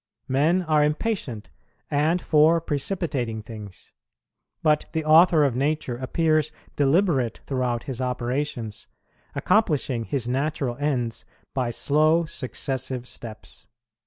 Men are impatient, and for precipitating things; but the Author of Nature appears deliberate throughout His operations, accomplishing His natural ends by slow successive steps.